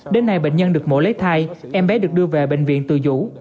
đến nay bệnh nhân được mổ lấy thai em bé được đưa về bệnh viện tùy vũ